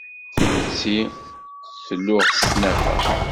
Timetti tluɣ s tnafa.